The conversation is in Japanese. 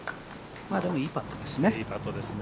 でも、いいパットですね。